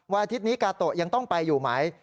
อาทิตย์นี้กาโตะยังต้องไปอยู่ไหม